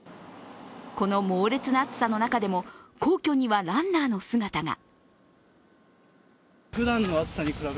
この猛烈な暑さの中でも皇居にはランナーの姿が。